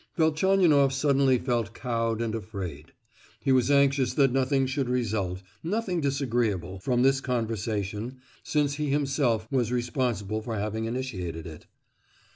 Velchaninoff suddenly felt cowed and afraid. He was anxious that nothing should result—nothing disagreeable—from this conversation, since he himself was responsible for having initiated it.